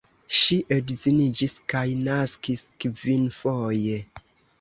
Ŝi edziniĝis kaj naskis kvinfoje.